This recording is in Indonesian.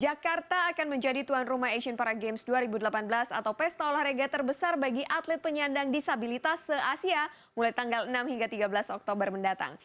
jakarta akan menjadi tuan rumah asian para games dua ribu delapan belas atau pesta olahraga terbesar bagi atlet penyandang disabilitas se asia mulai tanggal enam hingga tiga belas oktober mendatang